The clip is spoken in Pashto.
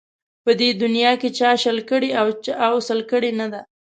په دې دنیا کې چا شل کړي او سل کړي نه ده